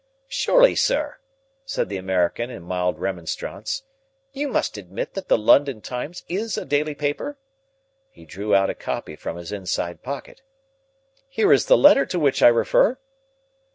"Surely, sir," said the American in mild remonstrance, "you must admit that the London Times is a daily paper." He drew out a copy from his inside pocket. "Here is the letter to which I refer."